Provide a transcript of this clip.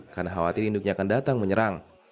karena khawatir induknya akan datang menyerang